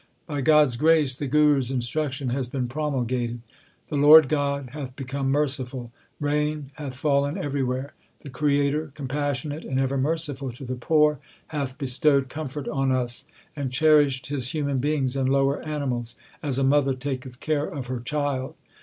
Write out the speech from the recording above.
By God s grace the Guru s instruction has been promulgated : The Lord God hath become merciful ; Rain hath fallen everywhere. The Creator, compassionate and ever merciful to the poor, hath bestowed comfort on us, And cherished His human beings and lower animals As a mother taketh care of her child.